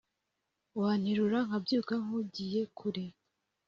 Wanterura nkabyuka nkugiye kure